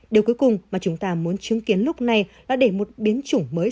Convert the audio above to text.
điều cuối cùng mà chúng ta muốn chứng kiến lúc này đã để một biến chủng mới